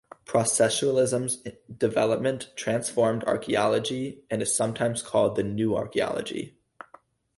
Processualism's development transformed archaeology, and is sometimes called the New Archaeology.